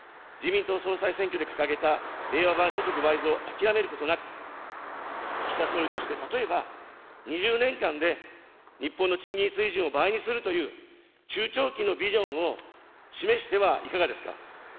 自民党総裁選挙で掲げた令和版所得倍増を諦めることなく、岸田総理として例えば、２０年間で日本の賃金水準を倍にするという中長期のビジョンを示してはいかがですか。